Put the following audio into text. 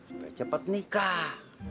supaya cepat nikah